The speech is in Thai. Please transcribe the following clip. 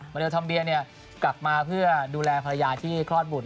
เลทอมเบียกลับมาเพื่อดูแลภรรยาที่คลอดบุตร